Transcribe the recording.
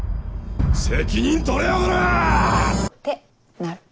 責任取れよこら‼ってなる。